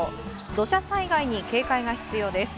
土砂災害に警戒が必要です。